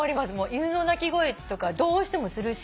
犬の鳴き声とかどうしてもするし。